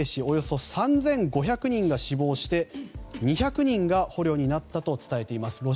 およそ３５００人が死亡して２００人が捕虜になったと伝えています。